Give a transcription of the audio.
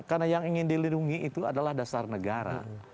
karena yang ingin dilindungi itu adalah dasar negara